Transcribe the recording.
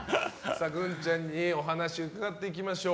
グンちゃんにお話を伺っていきましょう。